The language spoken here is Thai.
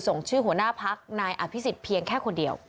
ส่งชื่อหัวหน้าพักนายอภิษฎเพียงแค่คนเดียว